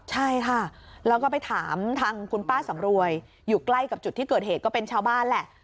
ใช่ค่ะแล้วก็ไปถามทางคุณป้าสำรวยอยู่ใกล้กับจุดที่เกิดเหตุก็เป็นชาวบ้านแหละ